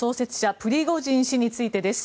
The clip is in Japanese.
プリゴジン氏についてです。